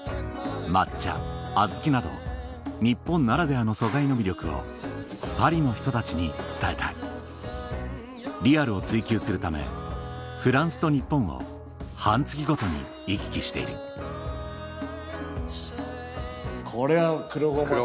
抹茶アズキなど日本ならではの素材の魅力をパリの人たちに伝えたいリアルを追求するためフランスと日本を半月ごとに行き来しているこれはクロゴマと。